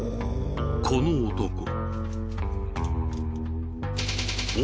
この男。